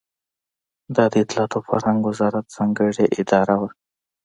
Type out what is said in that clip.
دا د اطلاعاتو او فرهنګ وزارت ځانګړې اداره وه.